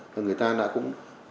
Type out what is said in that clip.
là người ta không có